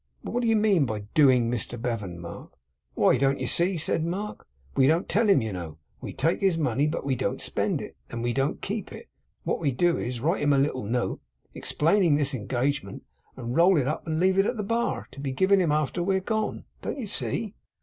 'But what do you mean by "doing" Mr Bevan, Mark?' 'Why, don't you see?' said Mark. 'We don't tell him, you know. We take his money, but we don't spend it, and we don't keep it. What we do is, write him a little note, explaining this engagement, and roll it up, and leave it at the bar, to be given to him after we are gone. Don't you see?